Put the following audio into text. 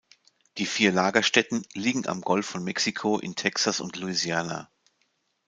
Die vier Lagerstätten liegen am Golf von Mexiko in Texas und Louisiana.